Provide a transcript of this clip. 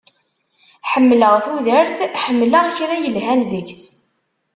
Ḥemmleɣ tudert, ḥemmleɣ kra yelhan deg-s.